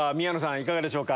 いかがでしょうか？